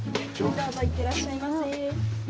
どうぞいってらっしゃいませ。